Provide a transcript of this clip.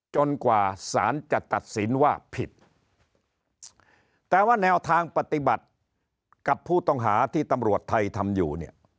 กว่าสารจะตัดสินว่าผิดแต่ว่าแนวทางปฏิบัติกับผู้ต้องหาที่ตำรวจไทยทำอยู่เนี่ย